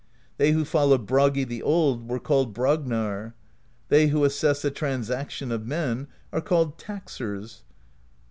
They who followed Bragi the Old were called Bragnar.^ They who assess the transactions of men are called taxers.